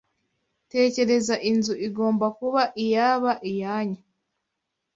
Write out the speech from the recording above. Tekereza inzu igomba kuba iyaba iyanyu